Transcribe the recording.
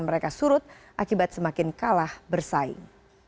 dan mereka surut akibat semakin kalah bersaing